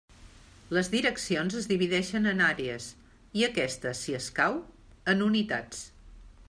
Les direccions es divideixen en àrees, i aquestes, si escau, en unitats.